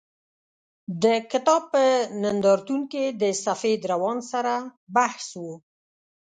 د کتاب په نندارتون کې د سفید روان سره بحث و.